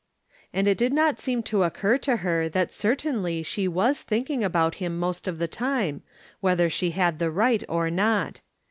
And it did not seem to occur to her that cer tainly she was thinking about him most of the time, whether she had the right or not.